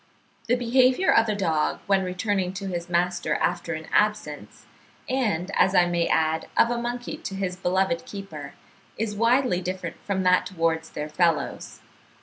The behaviour of a dog when returning to his master after an absence, and, as I may add, of a monkey to his beloved keeper, is widely different from that towards their fellows.